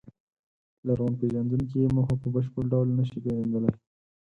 لرغونپېژندونکي یې موخه په بشپړ ډول نهشي پېژندلی.